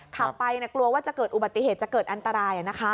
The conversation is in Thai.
ขับไปกลัวว่าจะเกิดอุบัติเหตุจะเกิดอันตราย